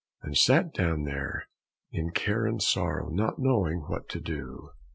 and sat down there in care and sorrow, not knowing what to do.